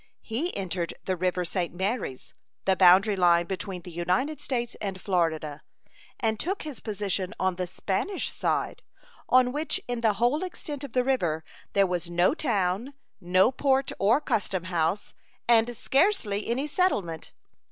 He entered the river St. Marys, the boundary line between the United States and Florida, and took his position on the Spanish side, on which in the whole extent of the river there was no town, no port or custom house, and scarcely any settlement.